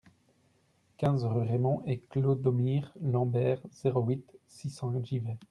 quinze rue Raymond et Clodomir Lamber, zéro huit, six cents Givet